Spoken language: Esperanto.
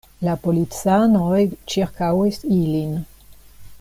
La policanoj ĉirkaŭis ilin.